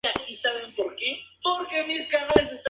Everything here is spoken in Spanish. Combate en la batalla de El Juncal.